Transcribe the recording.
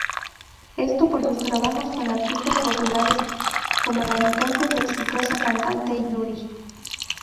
Esto, por sus trabajos con artistas populares, como la entonces exitosa cantante Yuri.